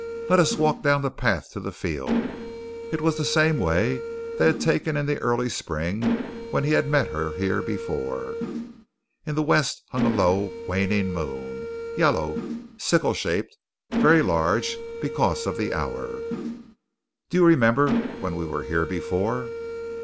"Let us walk down the path to the field." It was the same way they had taken in the early spring when he had met her here before. In the west hung low a waning moon, yellow, sickle shaped, very large because of the hour. "Do you remember when we were here before?"